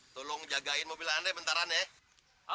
tolong jagain mobil anda bentaran ya